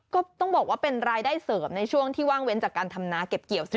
ก็ต้องบอกว่าเป็นรายได้เสริมในช่วงที่ว่างเว้นจากการทำนาเก็บเกี่ยวใช่ไหม